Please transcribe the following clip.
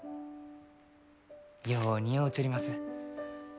よう似合うちょります。